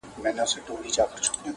د مجموعې آشعار پر څلورو برخو